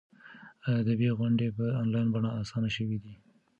ادبي غونډې په انلاین بڼه اسانه شوي دي.